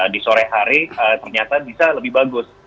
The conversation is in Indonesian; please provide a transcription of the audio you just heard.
di sore hari ternyata bisa lebih bagus